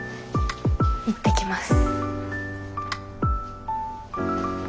いってきます。